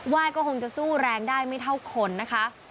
ว่ายก็คงจะสู้แรงได้ไม่เท่าคนนะคะ